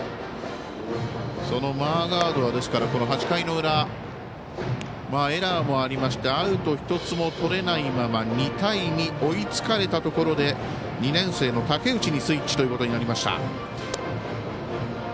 そのマーガードは８回の裏エラーもありましてアウト１つもとれないまま２対２と追いつかれたところで２年生の武内にスイッチとなりました。